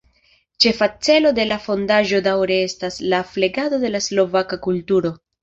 Ĉefa celo de la fondaĵo daŭre estas la flegado de la slovaka kulturo.